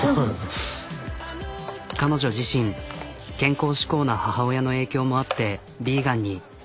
彼女自身健康志向な母親の影響もあってヴィーガンに。